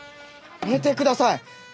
やめてください！